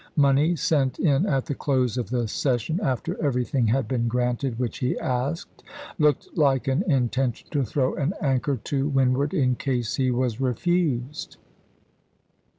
money sent in at the close of the session after everything had been granted which he asked, looked like an intention to throw an anchor to windward in case he was refused.